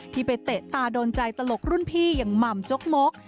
ที่ไปเตะตาโดนใจตลกรุ่นพี่อย่างหม่ำจกมก